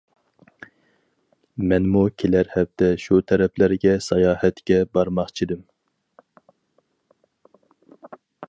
مەنمۇ كېلەر ھەپتە شۇ تەرەپلەرگە ساياھەتكە بارماقچىدىم.